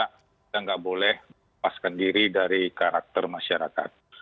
kita nggak boleh lepaskan diri dari karakter masyarakat